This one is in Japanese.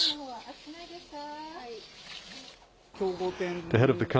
熱くないですか。